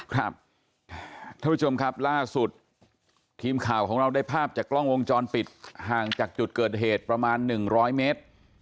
ท่านผู้ชมครับล่าสุดทีมข่าวของเราได้ภาพจากกล้องวงจรปิดห่างจากจุดเกิดเหตุประมาณ๑๐๐เมตร